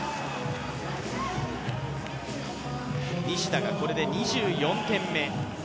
西田がこれで２４点目。